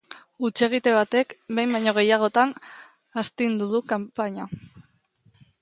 Hutsegite batek behin baino gehiagotan astindu du kanpaina.